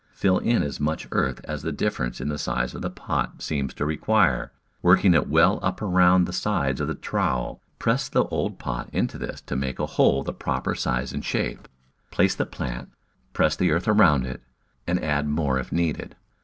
Fill in as much earth as the difference in the size of pot seems to require, work ing it well up around the sides with the trowel; press the old pot into this to make a hole the proper size and shape; place the plant, press the earth around it, and add more if needed.